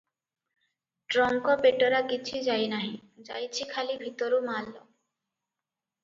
Trunk ପେଟରା କିଛି ଯାଇ ନାହିଁ- ଯାଇଚି ଖାଲି ଭିତରୁ ମାଲ ।